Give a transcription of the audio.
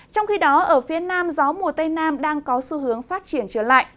trong khi đó ở phía nam gió mùa tây nam đang có xu hướng phát triển trở lại